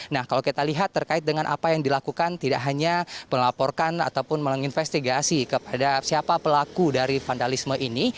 nah kalau kita lihat terkait dengan apa yang dilakukan tidak hanya melaporkan ataupun menginvestigasi kepada siapa pelaku dari vandalisme ini